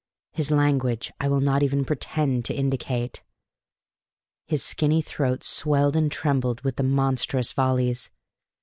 His language I will not even pretend to indicate: his skinny throat swelled and trembled with the monstrous volleys.